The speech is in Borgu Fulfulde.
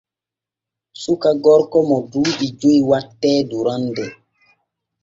Suka gorko mo duuɓi joy wattee durande.